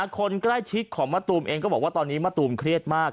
คนใกล้ชิดของมะตูมเองก็บอกว่าตอนนี้มะตูมเครียดมาก